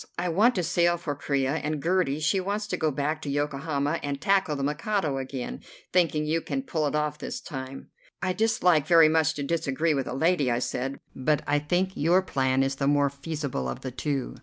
I want to sail for Corea, and Gertie, she wants to go back to Yokohama and tackle the Mikado again, thinking you can pull it off this time." "I dislike very much to disagree with a lady," I said, "but I think your plan is the more feasible of the two.